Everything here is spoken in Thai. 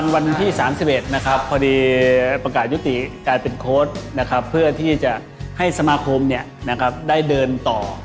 วันที่๓๑พอดีประกาศยุติกลายเป็นโคสเพื่อที่จะให้สมาคมได้เดินต่อ